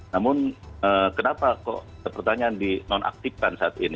namun kenapa kok pertanyaan di nonaktifkan saat ini